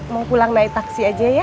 mau pulang dari taksi aja ya